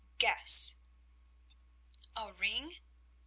"Guess!" "A ring?"